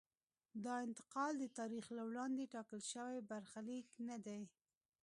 دا انتقال د تاریخ له وړاندې ټاکل شوی برخلیک نه دی.